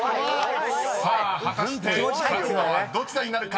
［さあ果たして勝つのはどちらになるか］